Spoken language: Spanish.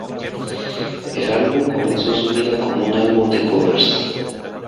El álbum comenzó su vida como un álbum de covers.